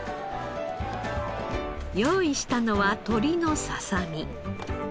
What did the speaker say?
用意したのは鶏のささみ。